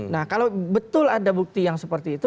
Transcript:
nah kalau betul ada bukti yang seperti itu